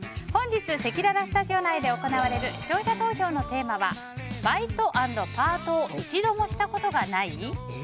本日、せきららスタジオ内で行われる視聴者投票のテーマはバイト＆パートを一度もしたことがない？